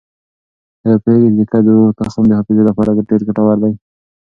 آیا پوهېږئ چې د کدو تخم د حافظې لپاره ډېر ګټور دی؟